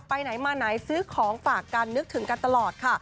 ไปไหนมาไหนซื้อของฝากกันนึกถึงกันตลอดค่ะ